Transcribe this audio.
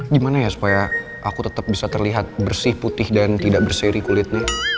gimana ya supaya aku tetap bisa terlihat bersih putih dan tidak berseri kulitnya